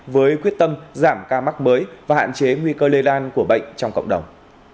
với quyết tâm giảm ca mắc mới và hạn chế nguy cơ lây lan của bệnh trong cộng đồng